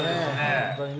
本当にね。